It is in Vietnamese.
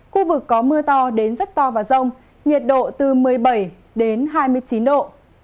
khu vực có mưa to đến rất to và rông nhiệt độ từ một mươi bảy đến hai mươi chín độ